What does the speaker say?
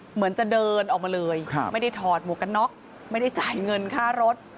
เหมือนจะเดินออกมาเลยไม่ได้ถอดหมวกกันน็อกไม่ได้จ่ายเงินค่ารถ